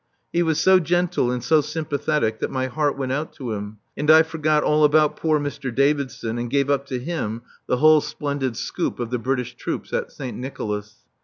He was so gentle and so sympathetic that my heart went out to him, and I forgot all about poor Mr. Davidson, and gave up to him the whole splendid "scoop" of the British troops at Saint Nicolas.